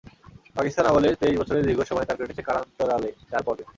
পাকিস্তান আমলের তেইশ বছরের দীর্ঘ সময় তাঁর কেটেছে কারান্তরালে, চার পর্বে।